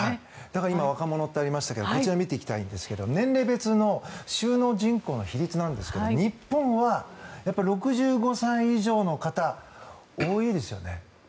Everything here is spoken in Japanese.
だから今若者とありましたがこちら見ていきますが年齢別の就農人口の比率ですが日本は６５歳以上の方多いですよね。